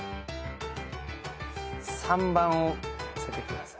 ３番を見せてください。